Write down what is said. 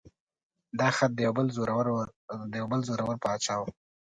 دا خط د یو بل زوره ور باچا و.